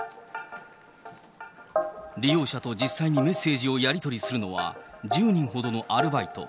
利用者と実際にメッセージをやり取りするのは１０人ほどのアルバイト。